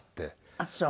ああそう。